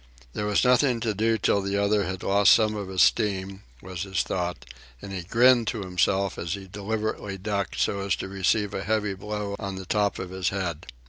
There was nothing to do till the other lost some of his steam, was his thought, and he grinned to himself as he deliberately ducked so as to receive a heavy blow on the top of his head.